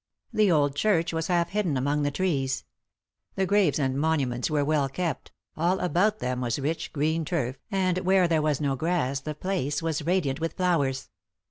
The old church was half hidden among the trees. The graves and monuments were well kept ; all about them was rich, green turf, and where there was no grass the place was radiant with flowers.